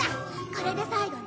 これで最後ね。